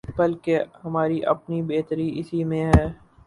بلکہ ہماری اپنی بہتری اسی میں ہے۔